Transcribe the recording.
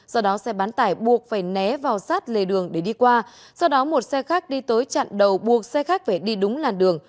do đó xe bán tải buộc phải né vào sát lề đường để đi qua do đó một xe khách đi tới chặn đầu buộc xe khách phải đi đúng làn đường